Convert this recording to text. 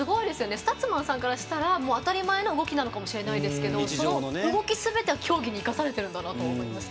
スタッツマンさんからしたら当たり前の動きなのかもしれないですけど動き、すべてが競技に生かされているんだと思いました。